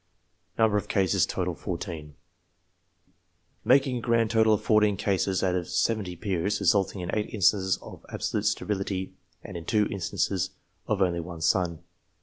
14 Making a grand total of fourteen cases out of seventy peers, resulting in eight instances of absolute sterility, and in two instances of only one son.